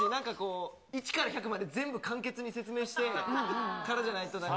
１から１００まで全部簡潔に説明してからじゃないと。